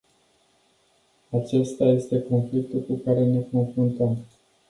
Acesta este conflictul cu care ne confruntăm.